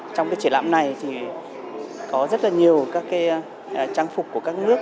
trong cái triển lãm này thì có rất là nhiều các cái trang phục của các nước